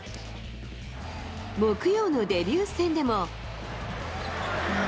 木曜のデビュー戦でも。